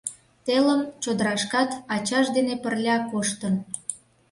Телым чодырашкат ачаж дене пырля коштын.